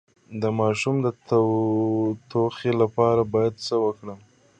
د ماشوم د ټوخي لپاره باید څه وکړم؟